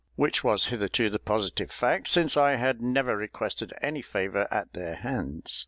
Which was hitherto the positive fact, since I had never requested any favour at their hands.